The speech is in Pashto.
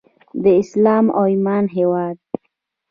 د اسلام او ایمان هیواد.